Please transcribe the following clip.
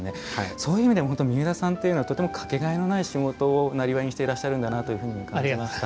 そういう意味でも本当三浦さんというのはとても掛けがえのない仕事をなりわいにしていらっしゃるんだなというふうにも感じました。